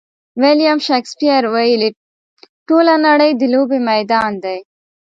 ویلیم شکسپیر ویلي: ټوله نړۍ د لوبې میدان دی.